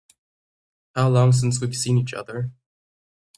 How long since we've seen each other?